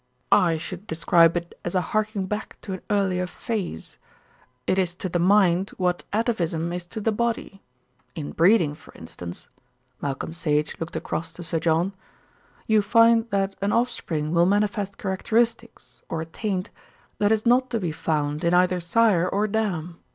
"I should describe it as a harking back to an earlier phase. It is to the mind what atavism is to the body. In breeding, for instance" Malcolm Sage looked across to Sir John "you find that an offspring will manifest characteristics, or a taint, that is not to be found in either sire or dam."